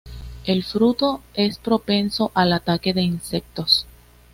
El fruto es propenso al ataque de insectos.